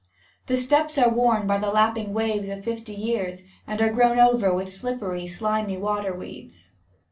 The steps are worn by the lapping waves of fifty years, and are grown over with slippery, slimy water weeds.